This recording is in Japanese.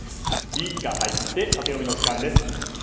「ギ」が入ってタテヨミの時間です。